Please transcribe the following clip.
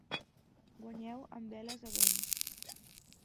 Guanyeu amb veles e vents.